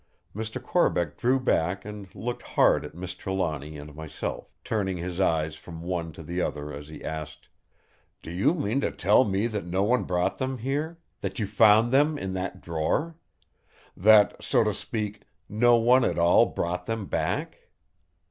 Mr. Corbeck drew back and looked hard at Miss Trelawny and myself; turning his eyes from one to the other as he asked: "Do you mean to tell me that no one brought them here; that you found them in that drawer? That, so to speak, no one at all brought them back?"